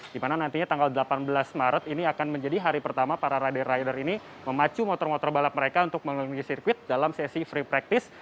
di mana nantinya tanggal delapan belas maret ini akan menjadi hari pertama para rider rider ini memacu motor motor balap mereka untuk memenuhi sirkuit dalam sesi free practice